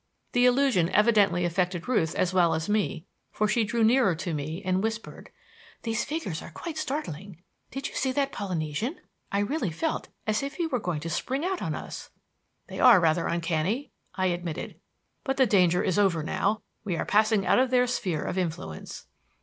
The illusion evidently affected Ruth as well as me, for she drew nearer to me and whispered: "These figures are quite startling. Did you see that Polynesian? I really felt as if he were going to spring out on us." "They are rather uncanny," I admitted, "but the danger is over now. We are passing out of their sphere of influence."